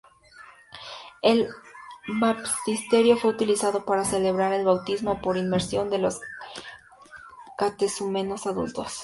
El baptisterio fue utilizado para celebrar el bautismo por inmersión de los catecúmenos adultos.